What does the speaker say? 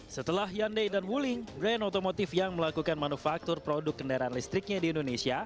setelah hyundai dan wuling brand otomotif yang melakukan manufaktur produk kendaraan listriknya di indonesia